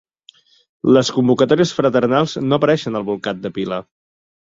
Les convocatòries fraternals no apareixen al bolcat de pila.